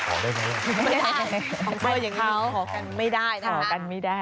ของเบอร์อย่างงี้